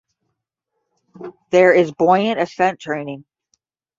There is buoyant ascent training.